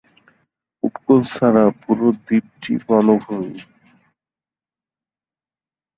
উপকূল ছাড়া পুরো দ্বীপটি বনভূমি।